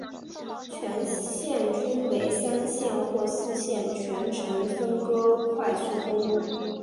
全线均为三线或四线双程分隔快速公路。